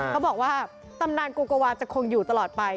เขาบอกว่าตำนานโกโกวาจะคงอยู่ตลอดไป